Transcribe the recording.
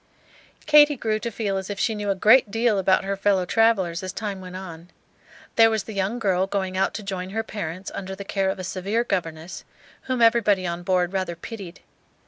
Katy grew to feel as if she knew a great deal about her fellow travellers as time went on. There was the young girl going out to join her parents under the care of a severe governess, whom everybody on board rather pitied.